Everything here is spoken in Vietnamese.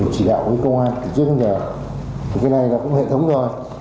chỉ đạo với công an chỉ truyền thống nhà thì cái này là cũng hệ thống rồi